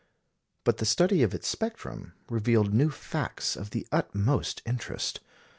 But the study of its spectrum revealed new facts of the utmost interest.